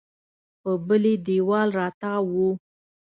په بلې دېوال راتاو و.